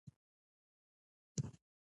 آیا کتابتونونه فعال دي؟